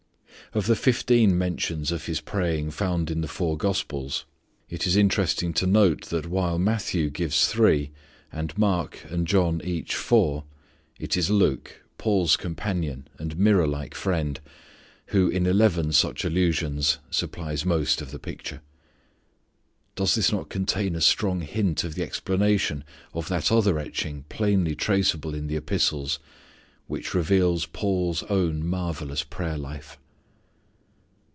Of the fifteen mentions of His praying found in the four gospels, it is interesting to note that while Matthew gives three, and Mark and John each four, it is Luke, Paul's companion and mirror like friend, who, in eleven such allusions, supplies most of the picture. Does this not contain a strong hint of the explanation of that other etching plainly traceable in the epistles which reveals Paul's own marvellous prayer life?